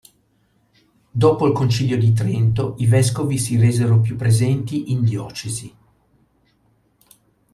Dopo il concilio di Trento i vescovi si resero più presenti in diocesi.